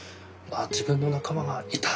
ああ自分の仲間がいた！